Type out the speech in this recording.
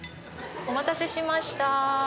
お待たせしましたー。